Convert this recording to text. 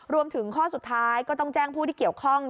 รวมถึงข้อสุดท้ายก็ต้องแจ้งผู้ที่เกี่ยวข้อง